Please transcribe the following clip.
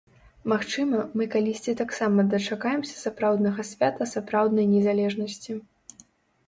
Магчыма, мы калісьці таксама дачакаемся сапраўднага свята сапраўднай незалежнасці.